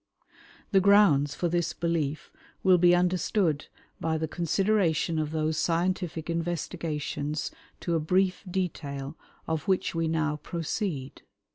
The grounds for this belief will be understood by the consideration of those scientific investigations to a brief detail of which we now proceed.